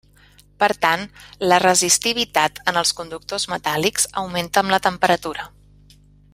Per tant, la resistivitat en els conductors metàl·lics augmenta amb la temperatura.